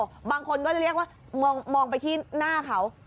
บางคนก็จะเรียกว่ามองไปที่หน้าเขา